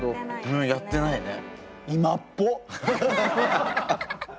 うんやってないね。